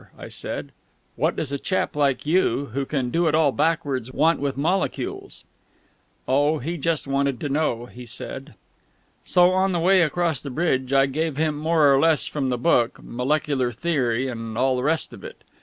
I said. "What does a chap like you, who can do it all backwards, want with molecules?" Oh, he just wanted to know, he said. So, on the way across the bridge, I gave it him more or less from the book molecular theory and all the rest of it.